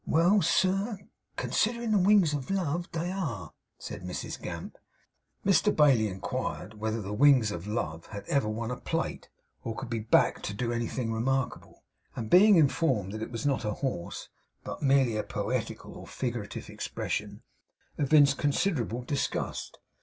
'Well, sir, considern' the Wings of Love, they are,' said Mrs Gamp. Mr Bailey inquired whether the Wings of Love had ever won a plate, or could be backed to do anything remarkable; and being informed that it was not a horse, but merely a poetical or figurative expression, evinced considerable disgust.